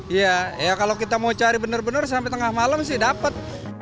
ya kalau kita mau cari bener bener sampai tengah malam sih dapet